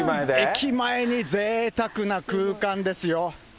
駅前にぜいたくな空間ですよ。